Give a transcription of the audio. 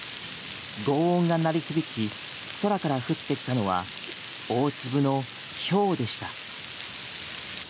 ごう音が鳴り響き空から降ってきたのは大粒のひょうでした。